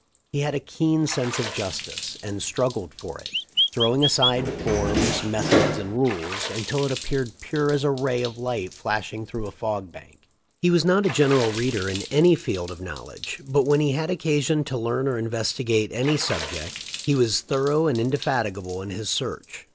He had a keen sense of justice, and strug gled for it, throwing aside forms, methods, and rules, until it appeared pure as a ray of light flash ing through a fog bank. He was not a general reader in any field of knowledge, but when he had occasion to learn or investigate any subject he was thorough and indefatigable in his search.